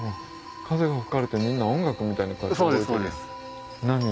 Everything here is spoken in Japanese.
風が吹かれてみんな音楽みたいに揺れてるやん。